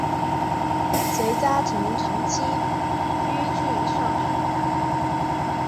随家庭长期寓居上海。